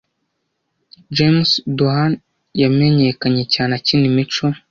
James Doohan yamenyekanye cyane akina imico